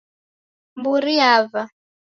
Mburi yava